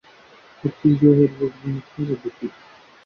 kopi zohererezwa Umutwe w Abadepite